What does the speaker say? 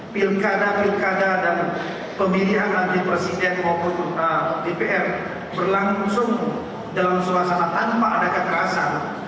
pilihan pilihan dan pemilihan antipresiden maupun dpr berlangsung dalam suasana tanpa adakan kerasa